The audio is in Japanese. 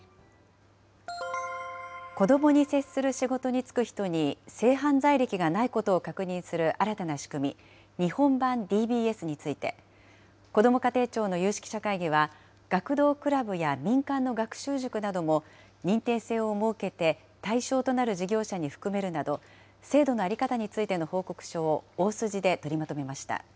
子どもに接する仕事に就く人に、性犯罪歴がないことを確認する新たな仕組み、日本版ＤＢＳについて、こども家庭庁の有識者会議は、学童クラブや民間の学習塾なども認定制を設けて、対象となる事業者に含めるなど、制度の在り方についての報告書を大筋で取りまとめました。